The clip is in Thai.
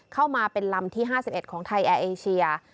เข้ามาเป็นลำที่๕๑ของไทยแอร์เอเชีย